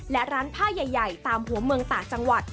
และร้านผ้าใหญ่ตามหัวเมืองต่างจังหวัด